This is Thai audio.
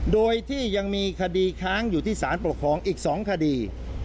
โดยที่ยังมีคดีค้างอยู่ที่สารปกครองอีก๒คดี